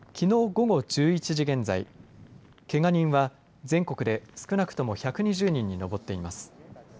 午後１１時現在けが人は全国で少なくとも１２０人に上っています。